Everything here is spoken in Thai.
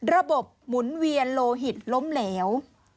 หมุนเวียนโลหิตล้มเหลว